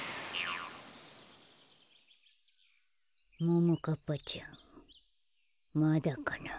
ももかっぱちゃんまだかな。